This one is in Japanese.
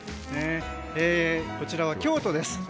こちらは京都です。